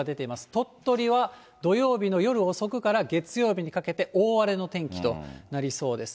鳥取は土曜日の夜遅くから月曜日にかけて、大荒れの天気となりそうです。